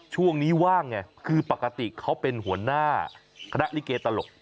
ช่วงนี้ว่างไงคือปกติเขาเป็นหัวหน้าคณะลิเกตลก